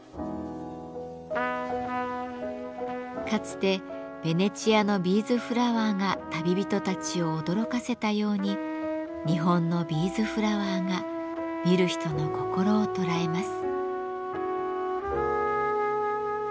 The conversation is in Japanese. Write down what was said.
かつてベネチアのビーズフラワーが旅人たちを驚かせたように日本のビーズフラワーが見る人の心を捉えます。